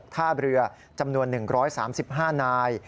ท่าเรือจำนวน๑๓๕นาย